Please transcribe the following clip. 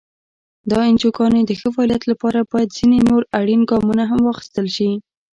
د انجوګانو د ښه فعالیت لپاره باید ځینې نور اړین ګامونه هم واخیستل شي.